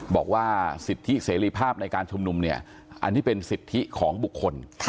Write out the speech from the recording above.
บอกว่าสิทธิเสรีภาพในการชุมนุมเนี่ยอันนี้เป็นสิทธิของบุคคล